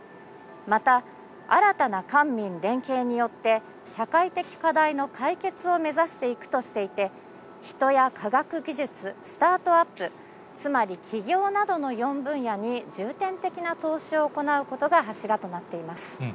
また、新たな官民連携によって、社会的課題の解決を目指していくとしていて、人や科学技術、スタートアップ、つまり、起業などの４分野に重点的な投資を行うことが柱となっています。